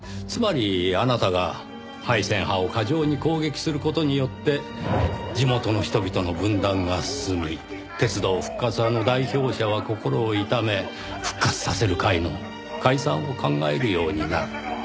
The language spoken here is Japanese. つまりあなたが廃線派を過剰に攻撃する事によって地元の人々の分断が進み鉄道復活派の代表者は心を痛め復活させる会の解散を考えるようになる。